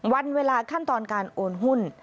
วันเวลาขั้นตอนการโอนหุ้น